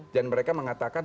dan mereka mengatakan